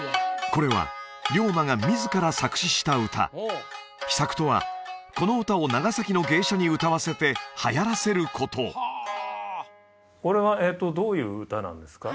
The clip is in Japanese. これは龍馬が自ら作詞した歌秘策とはこの歌を長崎の芸者に歌わせてはやらせることこれはどういう歌なんですか？